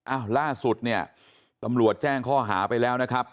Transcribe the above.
ล่าสุดเนี่ยตำรวจแจ้งข้อหาไปแล้วนะครับ